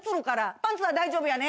パンツは大丈夫やね。